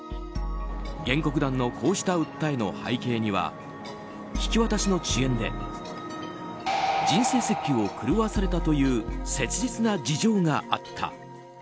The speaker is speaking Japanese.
原告団のこうした訴えの背景には引き渡しの遅延で人生設計を狂わされたという切実な事情があった。